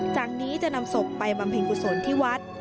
จากนี้จะนำศพไปบำเพ็ญกุศลที่วัด